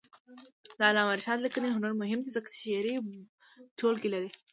د علامه رشاد لیکنی هنر مهم دی ځکه چې شعري ټولګې لري.